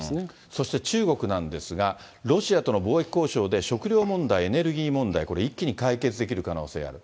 そして中国なんですが、ロシアとの貿易交渉で食糧問題、エネルギー問題、これ一気に解決できる可能性がある。